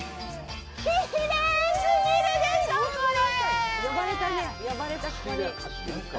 きれい過ぎるでしょう、これ！